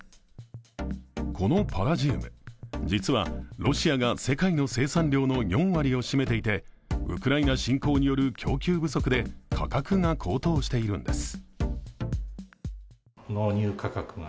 このパラジウム、実はロシアが世界の生産量の４割を占めていて、ウクライナ侵攻による供給不足で価格が高騰しているんです。